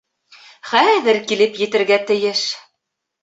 Хәҙер килеп етергә тейеш.